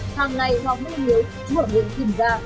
hàng ngày hóa mưu hiếu của người tìm ra